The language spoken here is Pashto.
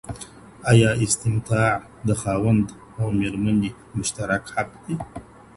آيا استمتاع د خاوند او ميرمني مشترک حق دی؟